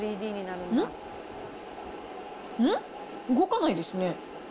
動かないですね。